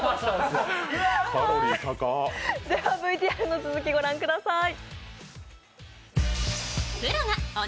ＶＴＲの続き御覧ください。